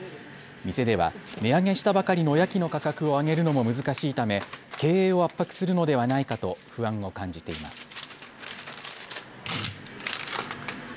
店では値上げしたばかりのおやきの価格を上げるのも難しいため経営を圧迫するのではないかと不安を感じています。